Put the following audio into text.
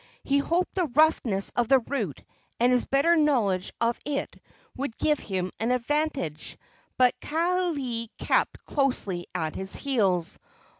He hoped the roughness of the route and his better knowledge of it would give him an advantage; but Kaaialii kept closely at his heels.